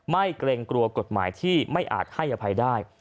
เกรงกลัวกฎหมายที่ไม่อาจให้อภัยได้